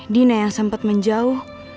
dina yang sempat menjauh